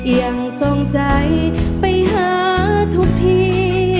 ยังทรงใจไปหาทุกที